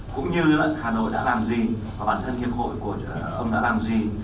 cũng như hà nội đã làm gì và bản thân hiệp hội của ông đã làm gì